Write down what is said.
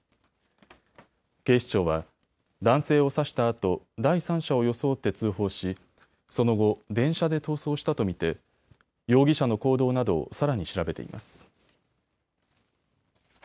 警視庁は男性を刺したあと、第三者を装って通報しその後、電車で逃走したと見て容疑者の行動などをさらに調べています。